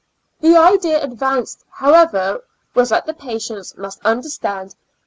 The idea advanced, however, was, that the patients must understand that .